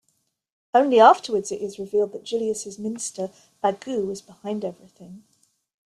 Only afterwards it is revealed that Jillius' minister, Bagoo, was behind everything.